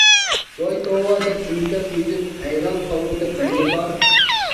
ۋاي توۋا دەپ ئىنكاس يېزىپ، ھەيران قالغۇدەك نېمە بار.